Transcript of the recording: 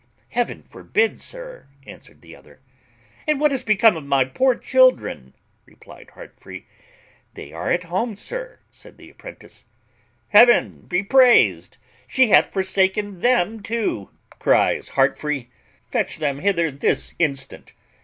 "Heaven forbid, sir!" answered the other. "And what is become of my poor children?" replied Heartfree. "They are at home, sir," said the apprentice. "Heaven be praised! She hath forsaken them too!" cries Heartfree: "fetch them hither this instant.